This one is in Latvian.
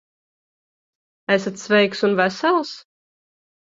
Esat sveiks un vesels?